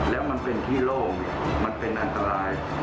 แล้วมันเป็นที่โล่งมันเป็นอันตราย